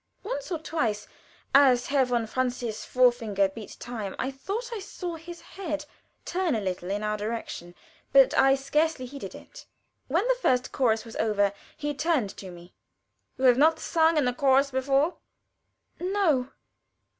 Once or twice, as Herr von Francius's forefinger beat time, I thought I saw his head turn a little in our direction, but I scarcely heeded it. When the first chorus was over, he turned to me: "You have not sung in a chorus before?" "No."